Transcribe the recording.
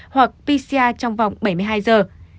hoặc pcr trong vòng bảy mươi hai giờ